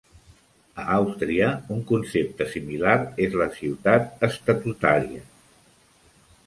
A Àustria, un concepte similar és la ciutat estatutària.